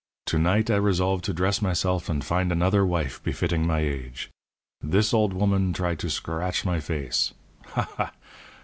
To night I resolve to dress myself and find another wife befitting my age. This old woman try to scr r ratch my face. Ha! ha!